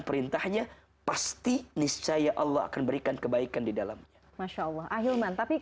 perintahnya pasti niscaya allah akan berikan kebaikan di dalamnya masya allah ahilman tapi